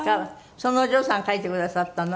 そのお嬢さんが描いてくださったの？